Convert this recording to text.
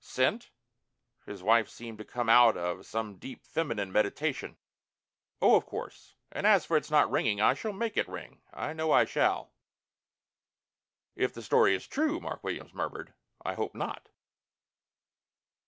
"Sent?" His wife seemed to come out of some deep feminine meditation. "Oh, of course. And as for its not ringing I shall make it ring. I know I shall." "If the story is true," Mark Williams murmured, "I hope not...."